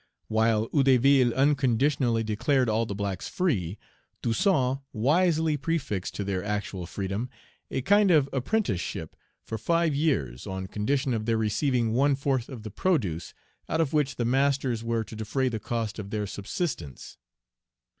While Hédouville unconditionally declared all the blacks free, Toussaint wisely prefixed to their actual freedom a kind of apprenticeship for five years, on condition of their receiving one fourth of the produce, out of which the masters were to defray the cost of their subsistence.